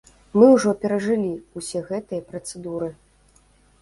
Мы ўжо перажылі ўсе гэтыя працэдуры.